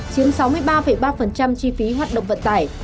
chiếm sáu mươi ba ba chi phí hoạt động vận tải